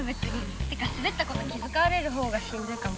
ってかすべったこと気づかわれるほうがしんどいかも。